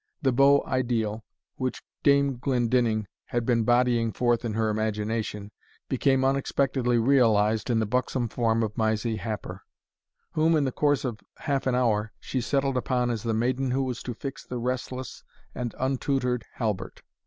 The beau ideal which Dame Glendinning had been bodying forth in her imagination, became unexpectedly realized in the buxom form of Mysie Happer, whom, in the course of half an hour, she settled upon as the maiden who was to fix the restless and untutored Halbert.